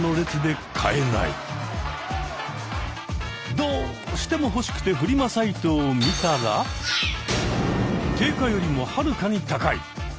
どうしても欲しくてフリマサイトを見たら定価よりもはるかに高い！